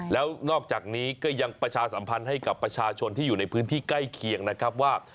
แล้วนอกจากนี้ก็ยังประชาสัมพันธ์ให้กับประชาชนที่อยู่ในพื้นที่ใกล้เคียงนะครับว่า